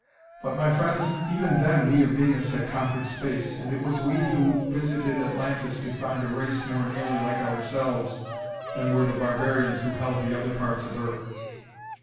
But, my friends, even then we of Venus had conquered space, and it was we who visited Atlantis to find a race more nearly like ourselves than were the barbarians who held the other parts of Earth.